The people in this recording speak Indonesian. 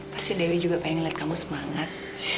pasti dewi juga pengen lihat kamu semangat